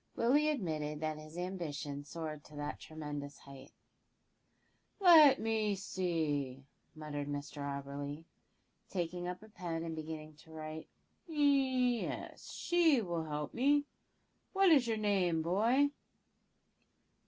Willie admitted that his ambition soared to that tremendous height. "Let me see," muttered Mr Auberly, taking up a pen and beginning to write; "yes, she will be able to help me. What is your name, boy?"